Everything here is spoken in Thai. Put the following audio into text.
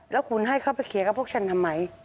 แล้วคุณให้เขาไปเคลียร์กับพวกฉันทำไม